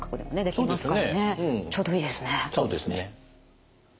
そうですね。